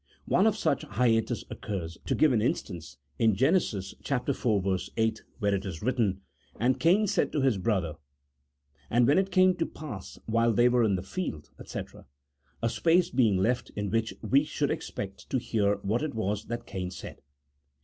One of such hiatus occurs (to give an instance) in Gen. iv. 8, where it is written, " And Cain said to his brother .... and it came to pass while they were in the field, <fec," a space being left in which we should expect to hear what it was that Cain said.